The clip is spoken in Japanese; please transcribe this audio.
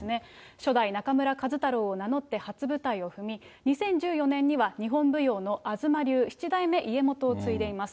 初代中村壱太郎を名乗って初舞台を踏み、２０１４年には日本舞踊の吾妻流七代目家元を継いでいます。